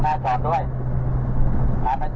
ฮารุมา